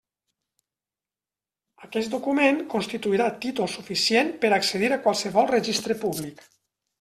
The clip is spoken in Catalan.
Aquest document constituirà títol suficient per accedir a qualsevol registre públic.